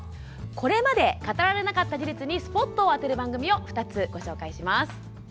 これまで語られなかった事実にスポットを当てる番組２つをご紹介します。